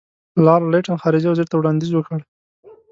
لارډ لیټن خارجه وزیر ته وړاندیز وکړ.